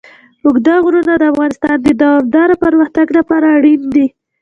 اوږده غرونه د افغانستان د دوامداره پرمختګ لپاره اړین دي.